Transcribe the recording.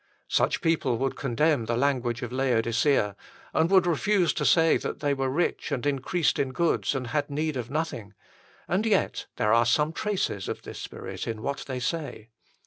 Such people would condemn the language of Laodicea, and would refuse to say that they were rich and increased in goods and had need of nothing, 1 and yet there are some traces of this spirit in what they say.